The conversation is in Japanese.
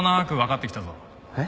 えっ？